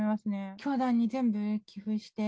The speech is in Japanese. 教団に全部寄付して。